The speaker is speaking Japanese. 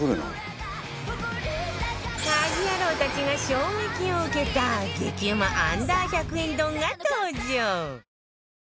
家事ヤロウたちが衝撃を受けた激うま Ｕ−１００ 円丼が登場！